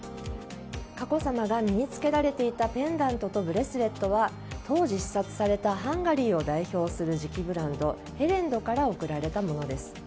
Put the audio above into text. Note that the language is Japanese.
佳子さまが身に着けられていたペンダントとブレスレットは当時視察されたハンガリーを代表する磁器ブランドヘレンドから贈られたものです。